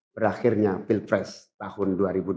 berakhirnya pilpres tahun dua ribu dua puluh